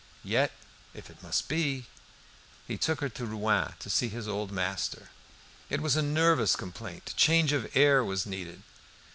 Yet if it must be! He took her to Rouen to see his old master. It was a nervous complaint: change of air was needed.